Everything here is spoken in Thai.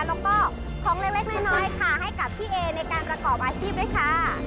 แล้วก็ของเล็กน้อยค่ะให้กับพี่เอในการประกอบอาชีพด้วยค่ะ